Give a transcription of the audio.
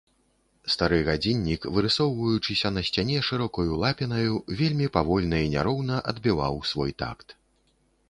Стары гадзіннік, вырысоўваючыся на сцяне шырокаю лапінаю, вельмі павольна і няроўна адбіваў свой такт.